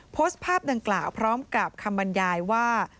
โพสต์ภาพดังกล่าวพร้อมกับคำบรรยายว่า